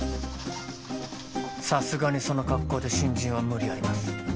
さすがにその格好で新人は無理あります。